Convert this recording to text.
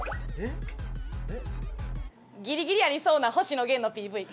ギリギリありそうな星野源のＰＶ。